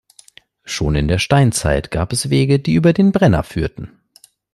Schon in der Steinzeit gab es Wege, die über den Brenner führten.